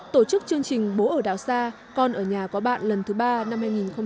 tổ chức chương trình bố ở đảo xa con ở nhà có bạn lần thứ ba năm hai nghìn hai mươi